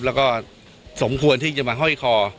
แล้วก็สมควรที่จะมาห้อยคอ